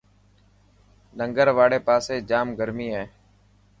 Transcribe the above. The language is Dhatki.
ننگر واڙي پاسي ڄام گرمي هي.